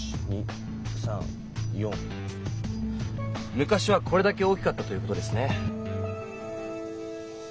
昔はこれだけ大きかったという事ですね。